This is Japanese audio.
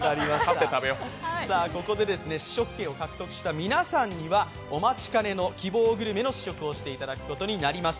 ここで試食権を獲得した皆さんにはお待ちかねの希望グルメの試食をしていただくことになります。